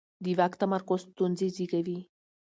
د واک تمرکز ستونزې زېږوي